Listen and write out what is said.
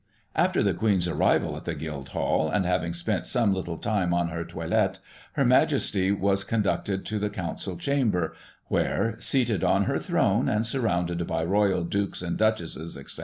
After the Queen's arrival at the Guildhall, and having spent some little time on her toilet, her Majesty was conducted to the Council Chamber, where — seated on her throne, and surrounded by Royal Dukes and Duchesses, etc.